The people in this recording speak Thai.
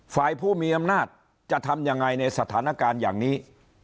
ฝ่ายผู้มีอำนาจจะทำยังไงในสถานการณ์อย่างนี้